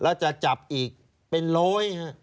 แล้วจะจับอีกเป็นร้อยฮะ